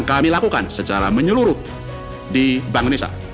kami lakukan secara menyeluruh di bank indonesia